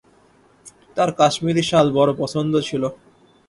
তাঁর কাশ্মীরী শাল বড় পছন্দ ছিল।